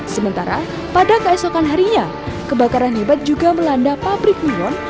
sementara pada keesokan harinya kebakaran hebat juga melanda pabrik mion